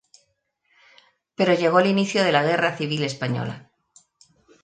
Pero llegó el inicio de la Guerra Civil Española.